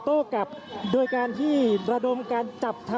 คุณภูริพัฒน์ครับ